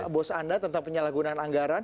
bos anda tentang penyalahgunaan anggaran